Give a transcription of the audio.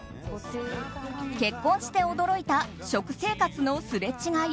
結婚して驚いた食生活のすれ違い